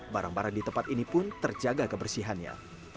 barang barang di tempat ini pun terjaga kebersihannya